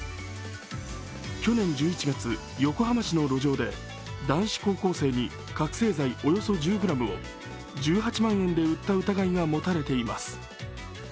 去年１１月、横浜市の路上で男子高校生に覚醒剤およそ１０ｇを１８万円で売った疑いが持たれています。